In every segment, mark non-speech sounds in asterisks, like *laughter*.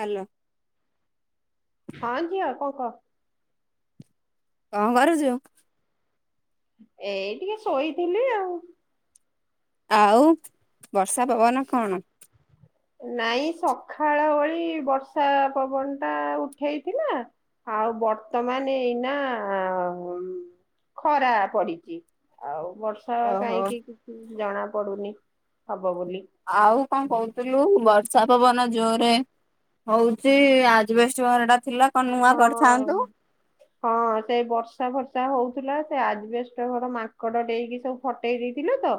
Hello. ହଁ ଝିଅ କଣ କହ? କଣ କରୁଛୁ? ଏଇ ଟିକେ ଶୋଇଥିଲି ଆଉ ଆଉ ବର୍ଷା ପବନ କଣ ନାଇଁ ସକାଳ ଭଳି ବର୍ଷା ପବନ ଟା ଉଠେଇଥିଲା ଆଉ ବର୍ତ୍ତମାନ ଏଇନା ଖରା ପଡିଛି ଆଉ ବର୍ଷା ଓହୋ କାହିଁକି କିଛି। ଜଣା ପଡୁନି ହବ। ବୋଲି। ଆଉ କଣ କହୁଥିଲୁ ବଷ ବର୍ଷା ପବନ ଜୋରେ ହଉଛି ଆଜବେଷ୍ଟର ଟା ଥିଲା କଣ ନୂଆ ହଁ କରିଥାନ୍ତୁ? ହଁ ହଁ ସେଇ ବର୍ଷା ଫର୍ଷା ହଉଥିଲା ସେ ଆଜି ବଷ୍ଟ ଘଡ ମାଙ୍କଡ ଦେଇଡକି ସବୁ ଫଟେଇ ଦେଇଥିଲେ ତ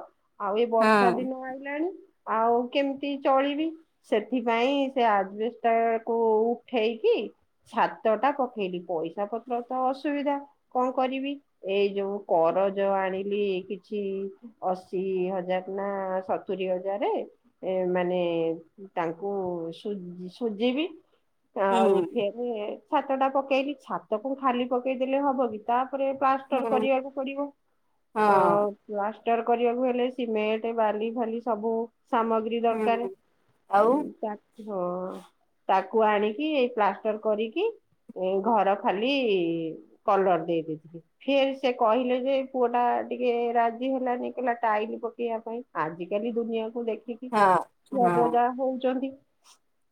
ଆଉ ଏ ବର୍ଷା ହଁ। ଦିନ ଆଇଲାଣି ଆଉ କେମିତି ଚଳିବି ସେଥିପାଇଁ ସେ ଆଜବେଷ୍ଟା କୁ ଉଠେଇକି ଛାତ ଟା ପକେଇଲି ପଇସା ପତ୍ର ତ ଅସୁବିଧା କଣ କରିବି ଏଇ ଯୋଉ କରଜ ଆଣିଲି କିଛି ଅଶି ହଜାର ନା ସତୁରିୀ ହଜାରେ ମାନେ ତାଙ୍କୁ ସୁ ସୁଝିବି ହୁଁ ଆଉ ଛାତ ଟା ପକେଇଲି ଛାତକୁ ଖାଲି ପକେଇଦେଲେ ହବ କି ତା ତାରେ ପ୍ଲାଷ୍ଟର ହୁଁ କରିବାକୁ ପଡିବ ହଁ ପ ର କରିବାକୁ ହେଲେ ସିମେଣ୍ଟ ବାଲି ଫାଲି ସବୁ ସାମଗ୍ରୀ ଦରକାର ହୁଁ ଆଉ *unintelligible* ହଁ ତାକୁ ଆଣିକି ଏଇ ପ୍ଲା କରିକି ଘର ଖାଲି କଲର ଦେଇ ଦେଇଥିଲି ଫିର୍ ସେ କହିଲେ ଯେ ପୁଅ ଟା ଟିକେ ରାଜି ହେଲାନି କହିଲ ଟାଇଲ ପକେଇବା ପାଇଁ ଆଜିକାଲି ଦୁନିଆକୁଦେ ଦେଖିକି ହଁ ଛୁଆ ତ ହଁ ଯାହା ହଉଛନ୍ତି।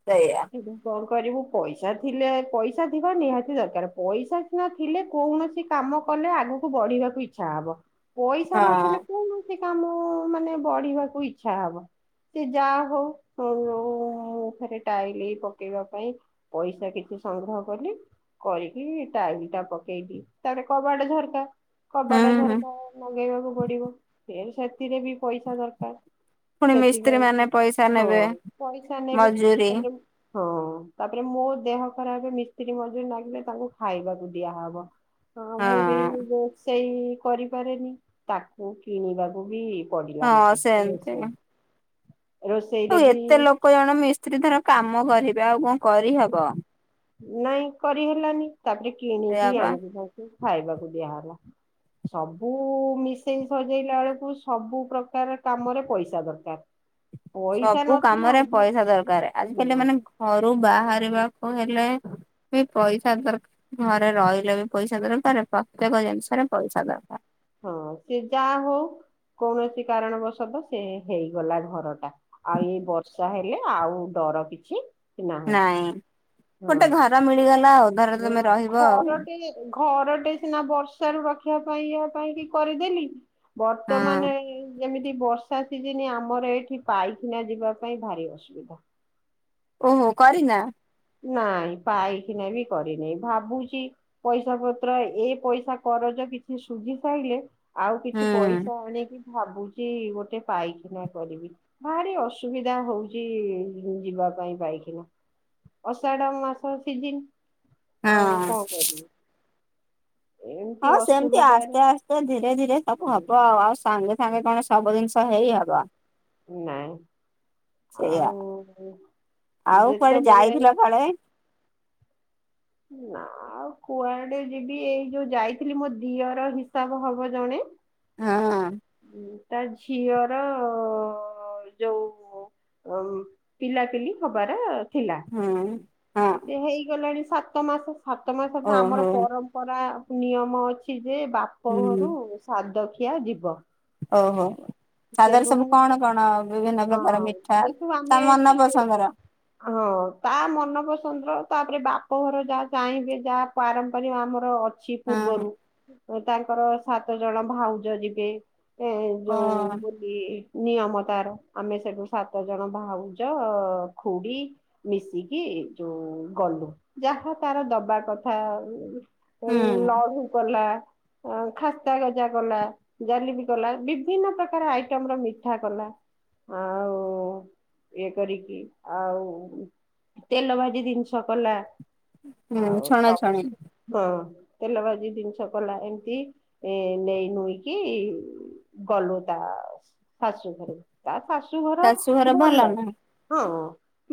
ସେଇଆ ହଁ *inaudible* ଏ କ *inaudible* କରିବୁ ପଇ ପଇସା ଥିଲେ ପଇସା ଥିବା ନିହାତି ଦରକାର ପଇସା ସିନା ଥିଲେ କୌଣସି କାମ କଲେ ଆଗକୁ ବଢିବାକୁ ଇଛା ହବ। ପଇସା ନଥିଲେ ହଁ। କଉଥି କାମ ମାନେ ବଢିବାକୁ ଇଚ୍ଛା ହବ ସେ ଯାହା ହଉ ଘରେ ଟାଇଲ ପକେଇବା ପାଇଁ ପଇସା କିଛି ସଂଗ୍ରହ କଲି କରିକି ଟାଇଲ ଟା ପକେଇଲି ତାପରେ କବାଟ ଝରକା କବାଟା ହୁଁ ଝରକା ଲଗେଇବାକୁ ପଡିବ। ସେଥିରେ ବି ପଇସା ଦରକାର ପୁଣି ସେତି ମିସ୍ତ୍ରୀ ମାନେ ପାଇଁ ପଇସା ହଁ ନେବେ ପଇସା ନେବେ ମଜୁରୀ ତାପରେ ହଁ ତା ତାପରେ ମୋ ଦେହ ଖରାପ ମିସ୍ତ୍ରୀ ମଝିରେ ଲାଗିଲେ ତାଙ୍କୁ ଖାଇବାକୁ ଦିଆହବ। ହଁ ମୁଁ ବି ବ ସେଇ କରିପାରେନି ତାକୁ କିଣିବାକୁ ବି ପଡିଲା ହଁ ମତେ ସେମିତି ଆଉ ରୋଷେଇରେ ବି ଏତେ ଲୋକ ଜଣ ମିସ୍ତ୍ରୀ ଧର କାମ କରିବେ ଆଉ କଣ କରିହବ। ନାଇଁ କରିହେଲାନି କାଲି ସେଇଆ କିଣିକି ପା। ଆଣିଛନ୍ତି। ଖାଇବାକୁ ଦିଆହେଲା ସବୁ ମିଶେଇ ସଜେଇଲା ବେଳକୁ ସବୁ ପ୍ରକାର କାମରେ ପଇସା ଦରକାର ପଇସା ସବୁ ନଥିଲା କାମରେ ଆଜି ପଇସା ଦରକାର ହଁ ଆଜିକାଲି ମାନେ ଘରୁ ବାହ କରିବାକୁ ହେଲେ ବି ପଇସା ଦରକାର ଘରେ ରହିଲେ ବି ପଇସା ଦରକାର ପ୍ରତ୍ୟେକ ଜିନିଷରେ ପଇସା ଦରକାର ହଁ ସେ ଯାହା ହଉ କୌଣସି କାରଣବଶତ ସେ ହେଇଗଲା ଘର ଟା ଆଉ ଏଇ ବର୍ଷା ହେଲେ ଆଉ ଡର କିଛି ନାହିଁ ନାଇଁ ଗୋଟେ ଘର ମିଳିଗଲା ଆଉ ଧର ତମେ ହଁ ରହିବ ଆଉ ଘରଟିେ ଘରଟେ ସିନା ବର୍ଷ ର ରଖ ଶିଖିବା ପାଇଁ ଇ ପାଇଁ କି କରିଦେଲିି ବର୍ତ୍ତମାନ ଇ ଯେମିତି ବର୍ଷା ସିଜିନି ଆମର ଏଠି ପାଇଖାନା ଯିବା ପାଇଁ ଭାରି ଅସୁବିଧା ଓହୋ କରିନା ନାଇଁ ପାଇଖନା ବି କରିନି ଭାବୁଛି ପଇସା ପତ୍ର ଏ ପଇସା କରଜ କିଛି ଶୁଝି ସାରିଲେ ଆଉ ହୁଁ କିଛି ପଇସା ଆଣିକି ଭାବୁଛି ଗୋଟେ ପାଇଖାନା କରିବି ଭାରି ଅସୁବିଧା ହଉଚି ଯିବା ପାଇଁ ପାଇଖାନା ଅଷାଢ଼ ମାସ ସିଜିନ୍ ହଁ ଆଉ କଣ କରିବି ଏମିତି ହଁ ସେମିତି ଅସୁବିଧାରେ ଆସ୍ତେ ଆସ୍ତେ ଧୀରେ ଧୀରେ ସବୁ ହବ ଆଉ ଆଉ ସାଙ୍ଗେଙ୍ଗେ ସାଙ୍ଗେ କଣ ସବୁ ଜିନିଷ ହେଇ ହବ ନାଇଁ ସେଇଆ ଆଉ ଆଉ କୁଆଡେ ଯେତେବେଳେ ଯାଇଥିଲ କାଳେ ନା ଆଉ କୁଆଡେ ଯିବି ଏଇ ଯୋଉ ଯାଇଥିଲି ମୋ ଦିଅର ହିସାବ ହବ ଜଣେ ହଁ ତା ଝିଅର ଯୋଉ ପିଲାପିଲି ହବାର ହଁ ହଁ ହେଇଗଲେ ସାତ ମାସ ସାତ ମା ସତ ଆମର ଓହୋ ପରମ୍ପରା ନିୟମ ଅଛି ଯେ ବାପ ଘରୁ ସାଦ କିଆ ଯିବ ଓ ହୋ ସେଠୁ ମୁଁ ହଁ ପ୍ରକାର ମିଠା ଯେଠୁ ତା ଆମେ ମନ ପସନ୍ଦର ହଁ ତା ମନପସନ୍ଦ ତାପରେ ବାପଘର ଯାହା ଚାହିଁବେ ଯାହା ପାରମ୍ପାରିକ ଆମର ଅ ଛି ହଁ ପୂର୍ବରୁ *unintelligible* ଯୋଉ ହଁ ବୋଲି ନିୟମ ତାର ଆମେ ସେଠୁ ସାତ ଜଣ ଭାଉଜ ଖୁଡି ମିଶିକି ଯୋଉ ଗଲୁ ଯାହା ତାର ଦବା କଥା ହୁଁ ଏଲ ଆ ହୁପଲା *unintelligible* ଓ ଖାସ୍ତା ଗଜା କଲା ଜଲବିି କଲା ବିଭିନ୍ନ ପ୍ର କାର ଆଇଟମ ର ମିଠା କଲା ଆଉ ଇଏ କରିକି ଆଉ ତେଲ ଭାଜି ଜିନିଷ କଲା ହୁଁ ଆଉ ସବୁ ଛଣାଛଣି ହଁ ତେଲ ଭାଜି ଜିନିଷ କଲା ଏମିତି ଏ ନେଇ ନୁଇକି ଗଲୁ ତା ଶାଶୂ ଖୁଡ଼ି ତା ଶା ଘର ଶାଶୁଘର ଭଲ ନା? ହଁ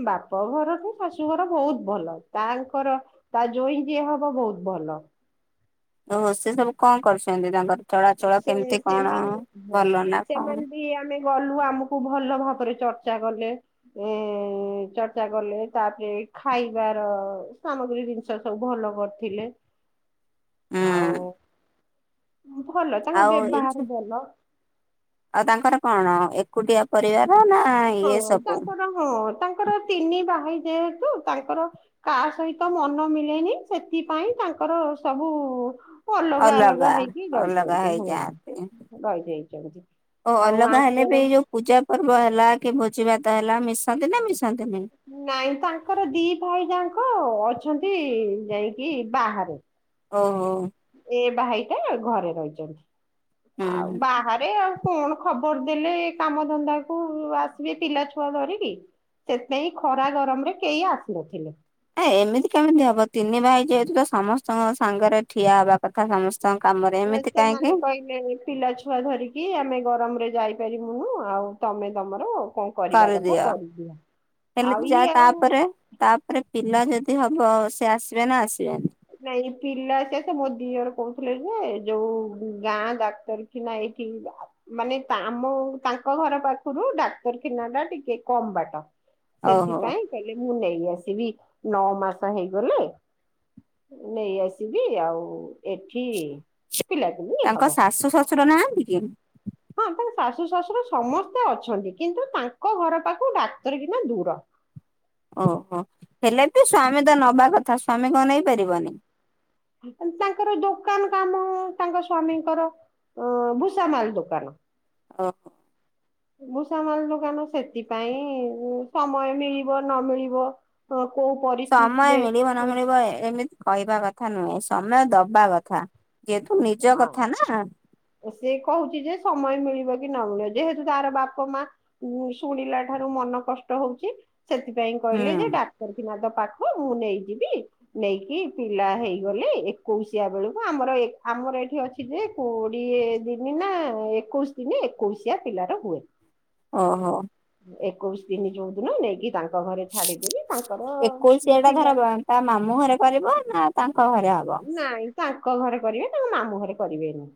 ବାପ ଘର ତ ଶାଶୁଘର ବହୁତ ଭଲ ତାଙ୍କର ତା ଜ୍ୱଇଁ ଯିଏ ହବ ବହୁତ ଭଲ ଓହୋ ସେ ସବୁ କଣ କରୁଛନ୍ତି ତାଙ୍କର ଚଳାଚଳ ସେ କେମିତି କଣ ସେମାନେ ଭଲ ନା କଣ? ସେମାନେ ବି ଆମେ ଗଲୁ ଆମକୁ ଭଲ ଭାବ ତାପରେ ଚର୍ଚ୍ଚା କଲେ ଏଁ ଚର୍ଚ୍ଚା କଲେ ତାପରେ ଖାଇବାର ସାମଗ୍ରୀ ଜିନିଷ ସବୁ ଭଲ କରିଥିଲେ। ଉଁ ଆଉ । ଭଲ ତାଙ୍କ ବ୍ୟବହାର ଭଲ। ଆଉ ତାଙ୍କର କଣ ଏକୁଟିଆ ପରିବାର? ନା ହଁ ଇଏ ସବୁ? ତାଙ୍କର ହଁ ତାଙ୍କର ତିନି ଭାଇ ଯେହେତୁ ତାଙ୍କର କାହା ସହିତ ମନ ମିଳେନି ସେଥିପାଇଁ ତାଙ୍କର ସବୁ ଅଲଗା ହେଇକି ଅଲଗା ରହିଛନ୍ତି ହଁ ହେଇଯାଆନ୍ତି ରହିଯାଇଛନ୍ତି ଆଉ ଅଲଗା ହେଲେ ବି ଯୋଉ ପୂଜା ପର୍ବ ହେଲା କି ଭୋଜିିଭାତ ହେଲା ମିଶନ୍ତି ନା ମିସ ନାଇଁ ତାଙ୍କର ଦି ଭାଇ ଯା ଙ୍କ ହଁ ଅଛନ୍ତି ଯାଇକି ବାହାରେ। ଓହୋ। ଏ ଭାଇଟା ଘରେ ରହିଚନ୍ତି। ହୁଁ ଆଉ ହୁଁ। ବାହାରେ ଆଉ କଣ ଖବର ଦେଲେ କାମଧନ୍ଦା କୁ ଆସିବେ ପିଲା ଛୁଆ ଧରିକି ସେଥିପାଇଁ ଖରା ଗରମରେ କେହି ଆସିନଥିଲେ। ଏ ଏମିତି କେମିତି ହବ ତିନି ଭାଇ ଯେହେତୁ ତ ସମସ୍ତଙ୍କ ସାଙ୍ଗରେ ଠିଆ ହବା କଥା ସମ ସେମାନେ କହିଲେ ପିଲା ଛୁଆ ଧରିକି ଆମେ ଗରମରେ ଯାଇ ପାରିବୁନୁ ଆଉ ତମେ ତମର କଣ କରିବା କଥା କରିଦିଅ ଆଉ ହେଲେବି ଯା ଇଏ ଆଉ ତାପରେ ତାପରେ ପିଲା ଯ ଦି ହବ ସେ ଆସିବେ ନା ଆସିବେନି? ନାଇଁ ପିଲା ସେ ସେ ମୋ ଦିଅର କୋହୁଥିଲେ ଯେ ଯୋଉ ଗାଁ ଡାକ୍ତରଖିନା ଏଇଠି ମାନେ ଆମ ତାଙ୍କ ଘର ପାଖରୁ ଡାକ୍ତରଖିନା ଟା ଟିକେ କମ ବାଟ । ଓହୋ ସେଥିପାଇଁ କହିଲେ ମୁଁ ନେଇ ଆ ଆସିବି ନଅ ମାସ ହେଇଗଲେ। ନେଇ ଆସିବି ଆଉ ଏଠି ପିଲାପିଲି ତାଙ୍କ ହବ ଶାଶୁ ଶ୍ୱଶୁର ନାହାନ୍ତି? କି? ହଁ ତାଙ୍କ ଶାଶୁ ଶଶୁର ସମସ୍ତେ ଅଛନ୍ତି କିନ୍ତୁ ତାଙ୍କ ଘର ପାଖକୁ ଡାକ୍ତରଖାନା ଦୂର। ଓହୋ ହେଲେତ ସ୍ଵାମୀ ତ ନବା କଥା ସ୍ଵାମୀ କଣ ନେଇ ପାରିବନି? ତାଙ୍କର ଦୋକାନ କାମ ତାଙ୍କ ସ୍ଵାମୀଙ୍କର ଉଁ ଭୂଷାମାଲ ଦୋକାନ। ଓହୋ। ଭୂଷାମାଲ ଦୋକାନ ସେଥିପାଇଁ ସମୟ ମିଳିବ ନ ମିଳିବ। କୋଉ ସମୟ ପରିସ୍ଥିତିରେ ମିଳିବ ନ ମିଳିବ ଏମିତି କହିବା କ ଥା ନୁହେଁ ସମୟ ଦବା କଥା। ଯେହେତୁ ନିଜ *unintelligible* କଥା ନା ହଁ ସିଏ କୋହୁଚି ଯେ ସମୟ ମିଳିବ ନମିଳୁ ଯେହେତୁ ତାର ବାପା ମା ଶୁଣିଲା ଠାରୁ ମନ କଷ୍ଟ ହୋଉଚି । ସେଥିପାଇଁ ହୁଁ କହିଲେ ଯେ ଡାକ୍ତରଖାନା ପାଖ ମୁଁ ନେଇଯିବି ନେଇକି ପିଲା ହେଇଗଲେ ଏକୋଇଶିଆ ବେଳକୁ ଆମର ଆମର ଏଇଠି ଅଛି ଯେ କୋଡିଏ ଦିନି ନା ଏକୋଇଶି ଦିନେ ଏକୋଇଶିଆ ପିଲାର ହୁଏ। ଓ ହୋ । ଏକୋଇଶ ଦିନି ଯୋଉଦିନ ନେଇକି ତାଙ୍କ ଘରେ ଛାଡିଦେବି ତାଙ୍କର ଏକୋଇଶିଆ ଟା ପିଲା ଧରବ ତା ମାମୁଁ ଘରେ କରିବ ନା? କୋ ଘରେ ହବ? ନାଇଁ ତାଙ୍କ ଘରେ କରିବେ ତାଙ୍କୁ ମାମୁଁ ଘରେ କରିବେନି ।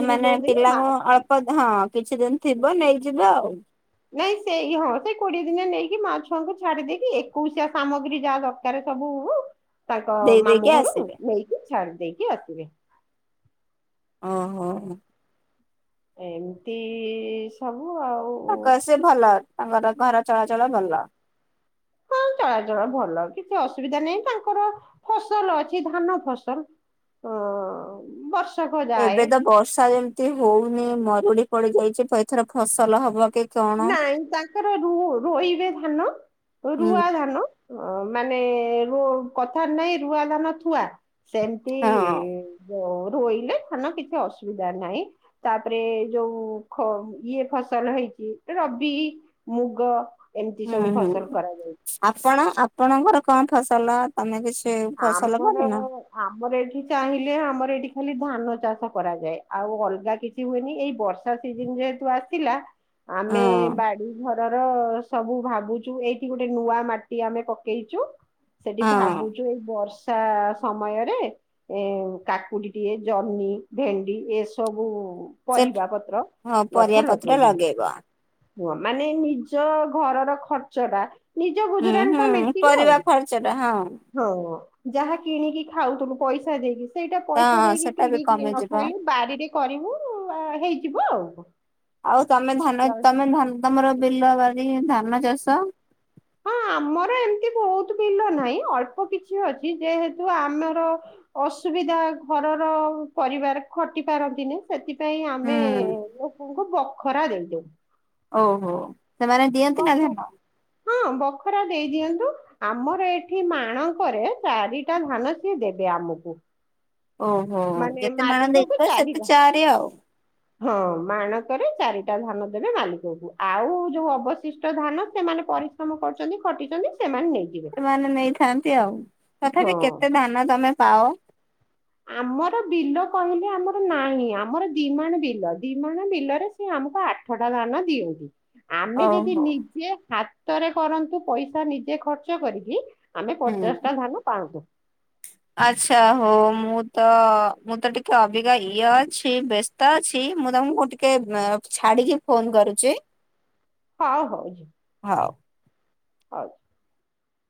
ଏ ମାନେ ପିଲାଙ୍କୁ ଅଳ୍ପ ହଁ କିଛି ଦିନ ଥିବ ନେଇଯିବେ ଆଉ । ନାଇଁ ସେଇ ହଁ ସେଇ କୋଡିଏ ଦିନ ନେଇକି ମା ଛଆଙ୍କୁ ଛାଡି ଦେଇକି ଏକୋଇଶିଆ ସାମଗ୍ରୀ ଯାହା ଦରକାର ସବୁ ହ ତାଙ୍କ ଦେଇ ଦେଇକି ମାମୁଁ ଘରୁ ଆସିବେ। ନେଇକି ଛାଡି ଦେଇକି ଆସିବେ । ଓ ହୋ । ଏମିତି ସବୁ । ତା କ ସେ ଭଲ । ତାଙ୍କର ଘର ଚଳାଚଳ ଭଲ । ହଁ ଚଳାଚଳ ଭଲ କିଛି ଅସୁବିଧା ନାହିଁ ତାଙ୍କର ଫସଲ ଅଛି ଧାନ ଫସଲ ଅ ବର୍ଷ ଏବେ ତ ବର୍ଷା ଯେମିତି ହଉନି ମ ଉୁଡି ପଡି ଯାଇଛି ପ ଏଥର ଫସଲ ହବ କି? କଣ? ନାଇଁ ତାଙ୍କର ରୁ ରୋଇିବେ ଧାନ ହୁଁ। ରୁଆ ଧାନ। ଅ ମାନେ ରୁ କଥା ନାଇଁ ରୁଆ ଧାନ ଥୁଆ। ସେମିତି ହଁ। ମୋର! ରୋଇଲେ ଧାନ କିଛି ଅସୁବିଧା ନାହିଁ ତାପରେ ଯୋଉ ଖ ଇଏ ଫସଲ ହେଇଛି! ରବି ମୁଗ! ଏମିତି ସବୁ ହୁଁ ହୁଁ ଫସଲ କରାଯାଏ ଆପଣ! ଆପଣଙ୍କର କଣ ଫସଲ ତମେ କିଛି! ଫସଲ ଆମର କରିନ? ଆମର ଏଠି ଚାହିଁଲେ ଆମର ଏଠି! ଖାଲି ଧାନ ଚାଷ କରାଯାଏ ଆଉ ଅଲଗା କିଛି ହୁଏନି ଏଇ ବର୍ଷା ସିଜିନ ଯେହେତୁ ଆସିଲା! ଆମେ ହଁ। ବାଡି ଘରର! ସବୁ ଭାବୁଛୁ ଏଇଠି ଗୋଟେ ନୂଆ ମାଟିଆମେ ପକେଇଛୁ। ସେଠି ଭାବୁ! ହଁ ଏଇ ବର୍ଷା ସମୟରେ ଏ କାକୁଡି ଟିଏ ଜହ୍ନିଭେଣ୍ଡି ଏସବୁ! ସେଠ ପରିବା ପତ୍ର ହଁ ପରିବା ପତ୍ର ଲଗେଇବ। ହୁଏ ମାନେ ନିଜ ଘରର ଖର୍ଚ୍ଚ ଟା! ନିଜ ହୁଁ ଗୁଜୁରାଣତ ହୁଁ ମେଣ୍ଟିବ ଆଉ ପରିବା ଖର୍ଚ୍ଚ ଟା ହଁ ହଁ! ଯାହା କିଣିକି ଖାଉଥିଲୁ ପଇସା ଦେଇକି! ସେଇଟା ତ ପଇସା ଦେଇକି ସେଟା ବି କିଣିକି କମିଯିବ। ନଖାଇଲେ ବାଡ଼ିରେ କରିବୁ ହେଇଯିବ ତମେ ଧାନ ଆଉ! ତମେ ଧାନ ତମର ବିଲ! ଗୁଆ ବାରିକି ଧାନ ଚାଷ ହଁ ଆମର ଏମିତି ବହୁତ ବିଲ ନାହିଁ ଅଳ୍ପ କିଛି ଅଛି ଯେହେତୁ ଆମର ଅସୁବିଧା ଘରର ପରିବାର ଖଟି ପାରନ୍ତିନି ସେଥିପାଇଁ ସେଥିପାଇଁ ଆମେ ହୁଁ। ଲୋକଙ୍କୁ ବ ଖରା ଦେଇଦଉ। ଓହୋ ସେମାନେ ଦିଅନ୍ତି ନା ବଖ ଧାନ? ହଁ ବଖରା ଦେଇ ଦିଅନ୍ତୁ ଆମର ଏଠି ମାଣଙ୍କରେ ଚାରିଟା ଧାନ ସିଏ ଦେବେ ଆମକୁ ଓହୋ ମାନେ ଯେତେ ମାଣ ମାଲିକକୁ ଦେଇଥିବ ସେତେ ଚାରିଟା ଚାରି ଆଉ। ହଁ ମାଣକରେ ଚାରି ଟା ଧାନ ଦେବେ ମାଲିକକୁ ଆଉ ଯୋଉ ଅବସିଷ୍ଟ ଧାନ ସେମାନେ ପରିଶ୍ରମ କରିଛନ୍ତି ଖଟିଛନ୍ତି ସେମାନେ ନେଇ ସେମାନେ ନେଇଥାନ୍ତି ଆଉ। ହଁ ତଥାପି କେତେ ଧାନ ତମେ? ପାଅ? ଆମର ବିଲ କହିଲେ ଆମର ନାହିଁ। ଆମର ଦି ମାଣବିଲ ଦି ମାଣ ବିଲରେ ସେ ଆମକୁ ଆଠଟା ଧାନ ଦିଅନ୍ତି। ଆମେ ଯଦି ଓହୋ। ନିଜେ ହାତ ହାତରେ କରନ୍ତୁ ପଇସା ନିଜେ ଖର୍ଚ୍ଚ କରିକି ଆମେ ପଚାଶଟା ଧାନ ପାଆନ୍ତୁ। ଆଛା ହଉ ମୁଁ ତ ମୁଁ ତ ଟିକେ ଅଭିକା ଇଏ ଅଛି ବ୍ୟସ୍ତ ଅଛି ମୁଁ ତମକୁ ଟିକେ ଛାଡିକି ଫୋନ କରୁଛି। ହଉ ହଉ। ହଉ। ଆଛା।